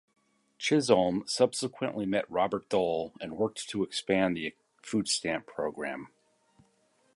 Chisholm subsequently met Robert Dole, and worked to expand the food stamp program.